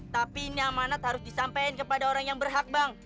tapi nyamanat harus disampaikan kepada orang yang berhak bang